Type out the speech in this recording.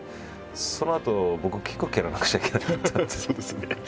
そのあと僕キックを蹴らなくちゃいけなかったんで。